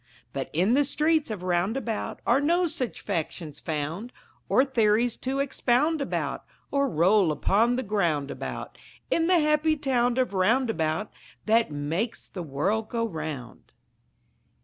But in the streets of Roundabout Are no such factions found, Or theories to expound about, Or roll upon the ground about, In the happy town of Roundabout, That makes the world go round.